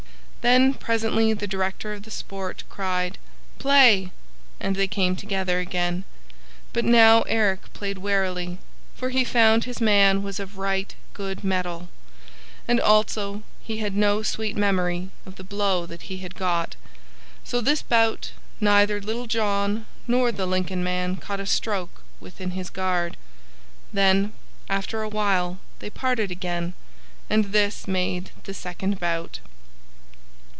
Then presently the director of the sport cried, "Play!" and they came together again; but now Eric played warily, for he found his man was of right good mettle, and also he had no sweet memory of the blow that he had got; so this bout neither Little John nor the Lincoln man caught a stroke within his guard. Then, after a while, they parted again, and this made the second bout.